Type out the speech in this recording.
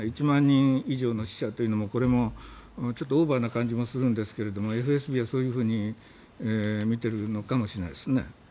１万人以上の死者というのもオーバーな感じもするんですがＦＳＢはそういうふうに見ているのかもしれないですね。